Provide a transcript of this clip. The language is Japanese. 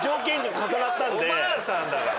おばあさんだから。